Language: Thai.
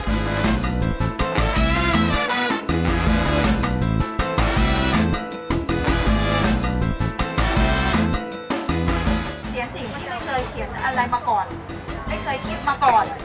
เดี๋ยวสิ่งที่ไม่เคยเขียนอะไรมาก่อน